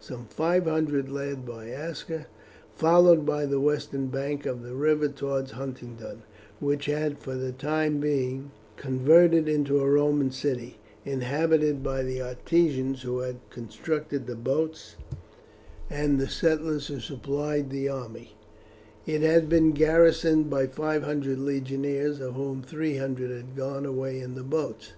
Some five hundred, led by Aska, followed the western bank of the river towards Huntingdon, which had for the time been converted into a Roman city, inhabited by the artisans who had constructed the boats and the settlers who supplied the army; it had been garrisoned by five hundred legionaries, of whom three hundred had gone away in the boats.